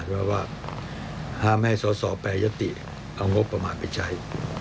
เพราะว่าห้ามให้สอสอแปรยติเอางบประมาณไปใช้